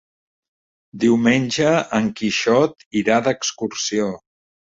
Diumenge en Quixot irà d'excursió.